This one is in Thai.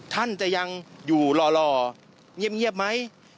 ท่านจะยังอยู่หล่อเงียบไหม